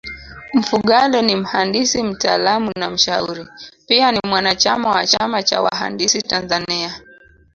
Mfugale ni mhandisi mtaalamu na mshauri Pia ni mwanachama wa chama cha wahandisi Tanzania